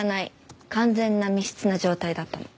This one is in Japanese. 完全な密室な状態だったの。